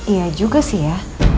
iya juga sih ya